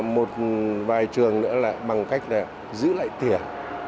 một vài trường nữa là bằng cách giữ lại tiền